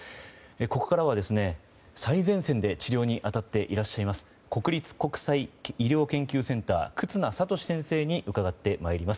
ここからは最前線で治療に当たっていらっしゃいます国立国際医療研究センター忽那賢志先生に伺います。